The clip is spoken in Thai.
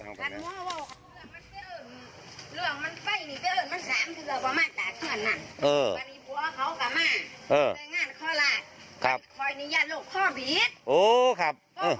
น้ำเขา